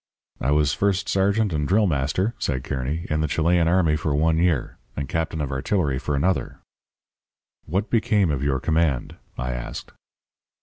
"'I was first sergeant and drill master,' said Kearny, 'in the Chilean army for one year. And captain of artillery for another.' "'What became of your command?' I asked.